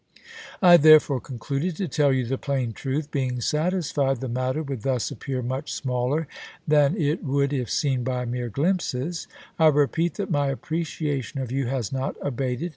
I therefore concluded to tell you the plain truth, being satisfied the matter would thus appear much smaller than it would if seen by mere glimpses. I repeat that my appreciation of you has not abated.